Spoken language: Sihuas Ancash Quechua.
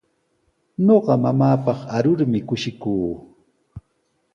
Ñuqa mamaapaq arurmi kushikuu.